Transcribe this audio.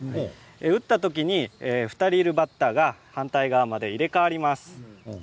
打った時に２人いるバッターが反対側まで入れ代わります。